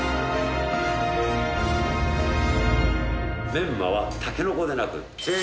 メンマはタケノコでなくえーっ！